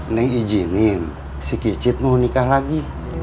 neng izinin si kicit mau nikah lagi